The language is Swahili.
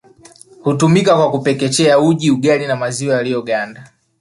Hutumika kwa kupekechea uji ugali au maziwa yaliyoganda